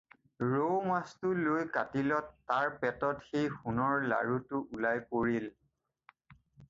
সি ৰৌমাছটো লৈ কাটিলতে তাৰ পেটত সেই সোণৰ লাড়ুটো ওলাই পৰিল।